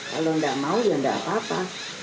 kalau gak mau ya gak apa apa